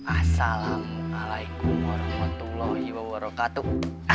assalamualaikum warahmatullahi wabarakatuh